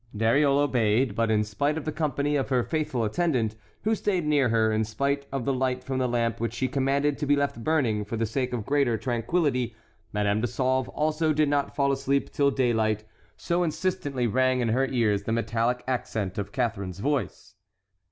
Dariole obeyed; but in spite of the company of her faithful attendant, who stayed near her, in spite of the light from the lamp which she commanded to be left burning for the sake of greater tranquillity, Madame de Sauve also did not fall asleep till daylight, so insistently rang in her ears the metallic accent of Catharine's voice.